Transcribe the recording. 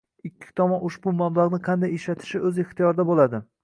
Ikki tomon ushbu mablag’ni qanday ishlatishi o’z ixtiyorida bo’ladi.